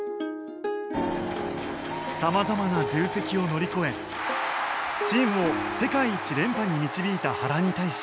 さまざまな重責を乗り越えチームを世界一連覇に導いた原に対し。